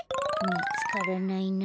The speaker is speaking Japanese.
みつからないな。